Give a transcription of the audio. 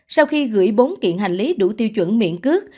sau khi gửi bốn kiện hành lý đủ tiêu chuẩn miễn cước